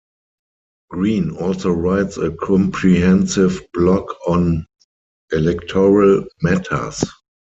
Green also writes a comprehensive blog on electoral matters.